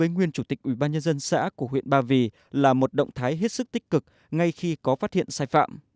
với nguyên chủ tịch ủy ban nhân dân xã của huyện ba vì là một động thái hết sức tích cực ngay khi có phát hiện sai phạm